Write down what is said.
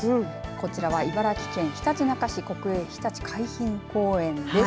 こちらは茨城県ひたちなか市国営ひたち海浜公園です。